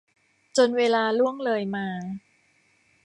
จนเวลาล่วงเลยมา